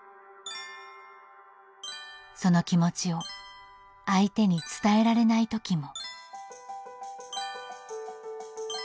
その気持ちを相手に伝えられない時も。